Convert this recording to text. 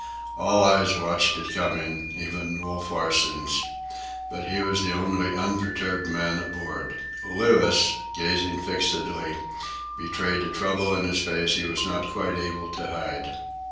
All eyes watched it coming, even Wolf Larsen's; but he was the only unperturbed man aboard. Louis, gazing fixedly, betrayed a trouble in his face he was not quite able to hide.